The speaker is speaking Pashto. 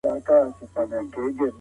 پلی تګ د زړه لپاره ښه دی.